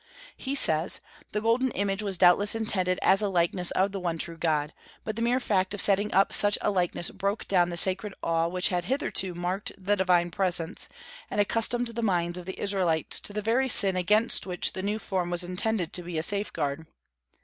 He says: "The Golden Image was doubtless intended as a likeness of the One True God. But the mere fact of setting up such a likeness broke down the sacred awe which had hitherto marked the Divine Presence, and accustomed the minds of the Israelites to the very sin against which the new form was intended to be a safeguard.